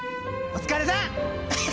お疲れさん！